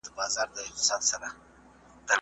ساینس پوهانو ویلي چې کائنات پراخیږي.